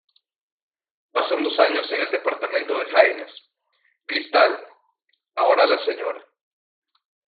Pasan dos años En el departamento de Haines, Crystal, ahora la Sra.